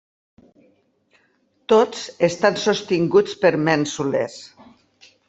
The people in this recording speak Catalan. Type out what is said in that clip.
Tots estan sostinguts per mènsules.